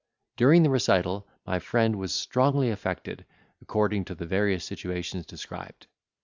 During the recital, my friend was strongly affected, according to the various situations described.